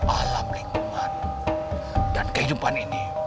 alam lingkungan dan kehidupan ini